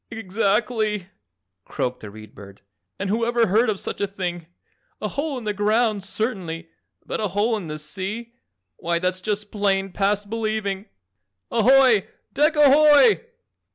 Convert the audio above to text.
"Exactly!" croaked the Read Bird, "and whoever heard of such a thing? A hole in the ground, certainly, but a hole in the sea, why that's just plain past believing. Ahoy, DECK AHOY!"